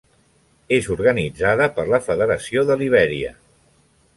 És organitzada per la Federació de Libèria.